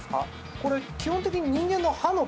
これ基本的に。